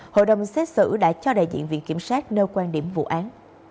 hội đồng xét xử đã cho đại diện viện kiểm sát nêu quan điểm vụ án